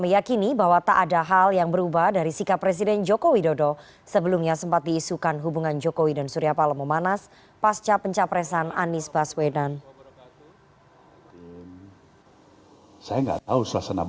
ya agak sejuk kita begitu